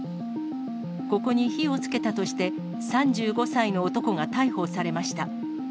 ここに火をつけたとして、３５歳の男が逮捕されました。